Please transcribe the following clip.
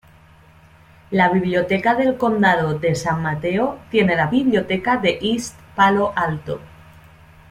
La Biblioteca del Condado de San Mateo tiene la Biblioteca de East Palo Alto.